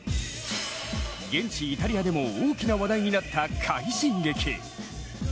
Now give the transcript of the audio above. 現地イタリアでも大きな話題になった快進撃。